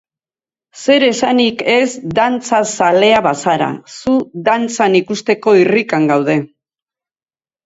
Zer esanik ez dantza zalea bazara, zu dantzan ikusteko irrikan gaude!